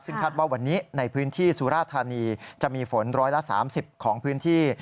ซึ่งคาดว่าวันนี้ในพื้นที่สุราธานีจะมีฝนร้อยละ๓๐ของพื้นที่